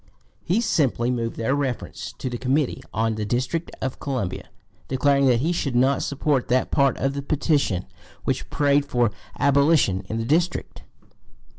He simply moved their reference to the Committee on the District of Columbia, declaring that he should not support that part of the petition which prayed for abolition in the District.